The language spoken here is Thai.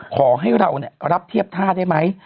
ขอให้เรารับเทียบท่าได้ไหม